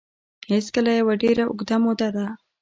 هېڅکله یوه ډېره اوږده موده ده